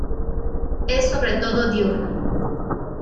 Es sobre todo diurno.